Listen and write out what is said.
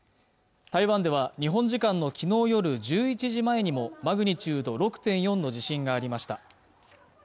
台湾では日本時間の昨日夜１１時前にもマグニチュード６．４の地震がありました。